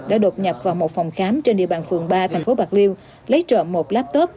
đã đột nhập vào một phòng khám trên địa bàn phường ba thành phố bạc liêu lấy trộm một laptop